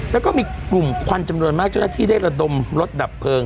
แล้วก็มีกลุ่มควันจำนวนมากเจ้าหน้าที่ได้ระดมรถดับเพลิง